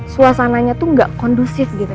suasananya tuh gak kondusif gitu